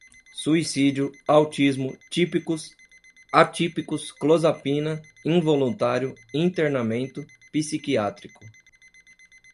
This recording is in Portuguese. suicídio, autismo, típicos, atípicos, clozapina, involuntário, internamento, psiquiátrico